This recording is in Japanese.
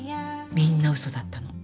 みんなウソだったの。